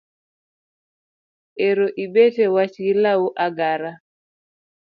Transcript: Ero ibet e wach gi law ogara